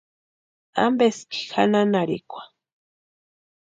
¿Ampeski janhanharhikwa?